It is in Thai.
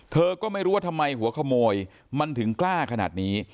เธอก็ไม่รู้ว่าทำไมหัวขโมยมันถึงกล้าขนาดนี้